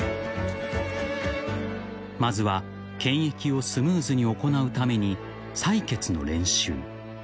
［まずは検疫をスムーズに行うために採血の練習］